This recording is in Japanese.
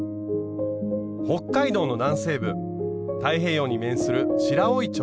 北海道の南西部太平洋に面する白老町。